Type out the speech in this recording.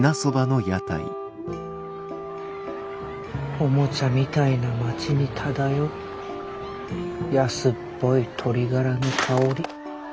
おもちゃみたいな町に漂う安っぽい鶏ガラの香り。